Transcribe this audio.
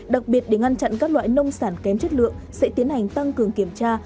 đặc biệt để ngăn chặn các loại nông sản kém chất lượng sẽ tiến hành tăng cường kiểm tra